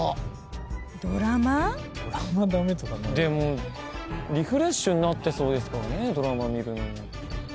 でもリフレッシュになってそうですからドラマ見るのも。